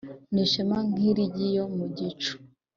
N'Ishema nk'iry'iyo mu gicu